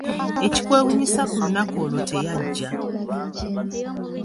Ekikwewuunyisa ku lunaku olwo teyajja.